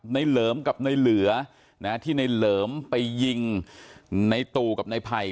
เหลิมกับในเหลือที่ในเหลิมไปยิงในตู่กับในไผ่